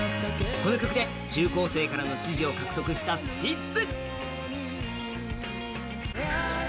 この曲で中高生からの支持を獲得したスピッツ。